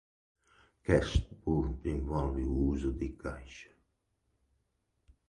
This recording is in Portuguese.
Cash Burn envolve o uso de caixa.